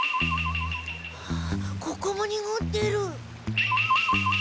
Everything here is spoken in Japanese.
あここもにごってる。